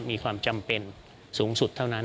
มีความจำเป็นสูงสุดเท่านั้น